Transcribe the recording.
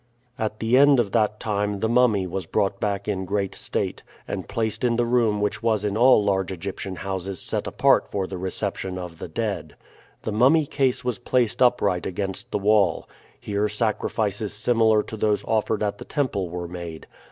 At the end of that time the mummy was brought back in great state, and placed in the room which was in all large Egyptian houses set apart for the reception of the dead. The mummy case was placed upright against the wall. Here sacrifices similar to those offered at the temple were made.